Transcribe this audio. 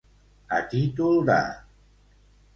A títol de.